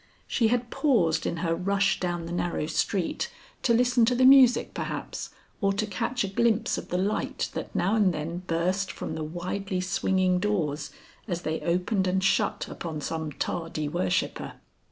She had paused in her rush down the narrow street to listen to the music, perhaps, or to catch a glimpse of the light that now and then burst from the widely swinging doors as they opened and shut upon some tardy worshipper.